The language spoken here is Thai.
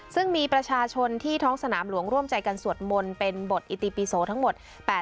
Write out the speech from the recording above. ซึ่งมีประชาชนที่ท้องสนามหลวงร่วมใจกันสวดมนต์เป็นบทอิติปิโสทั้งหมด